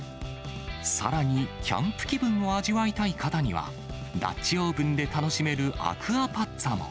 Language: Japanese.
さらにキャンプ気分を味わいたい方には、ダッチオーブンで楽しめるアクアパッツァも。